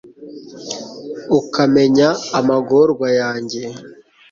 ukamenya amagorwa yanjye